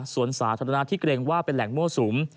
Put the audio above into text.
สวนศาสนาที่แกร่งว่าเป็นแหล่งโม่สูม